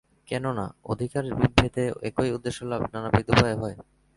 কেন না, অধিকারিভেদে একই উদ্দেশ্যলাভ নানবিধ উপায়ে হয়।